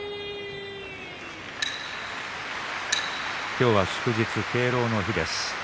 今日は祝日敬老の日です。